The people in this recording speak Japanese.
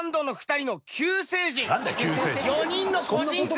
４人の個人戦だ。